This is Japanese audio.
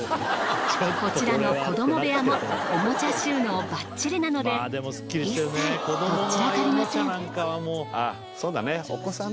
こちらの子供部屋もおもちゃ収納バッチリなので一切とっ散らかりません。